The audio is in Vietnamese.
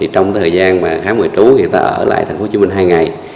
trong thời gian khám ngoại trú người ta ở lại tp hcm hai ngày